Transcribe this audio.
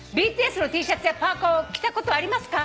ＢＴＳのＴシャツやパーカーを着たことありますか？